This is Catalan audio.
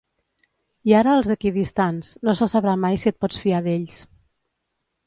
I ara els equidistants, no se sabrà mai si et pots fiar d’ells.